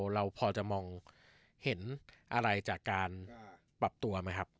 เราพอจะมองเห็นอะไรจากการปรับตัวไหมครับ